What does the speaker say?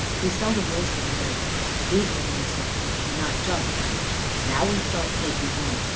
He seldom wasted words. " Eat little Missa if she not jumped. Now we start take you home.